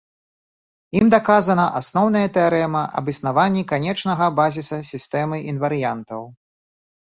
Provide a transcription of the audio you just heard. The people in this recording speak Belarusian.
Ім даказана асноўная тэарэма аб існаванні канечнага базіса сістэмы інварыянтаў.